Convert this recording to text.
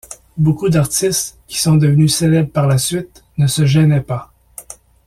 Beaucoup d’artistes, qui sont devenus célèbres par la suite, ne se gênaient pas.